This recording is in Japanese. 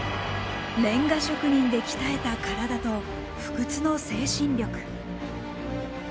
レンガ職人で鍛えた体と不屈の精神力。